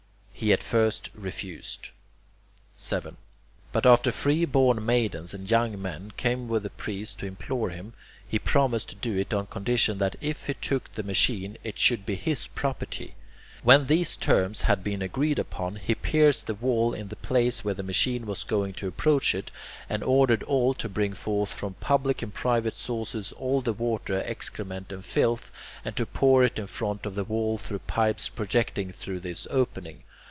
He at first refused. 7. But after free born maidens and young men came with the priests to implore him, he promised to do it on condition that if he took the machine it should be his property. When these terms had been agreed upon, he pierced the wall in the place where the machine was going to approach it, and ordered all to bring forth from both public and private sources all the water, excrement, and filth, and to pour it in front of the wall through pipes projecting through this opening.